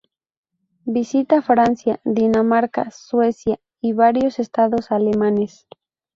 Visita Francia, Dinamarca, Suecia y varios estados alemanes.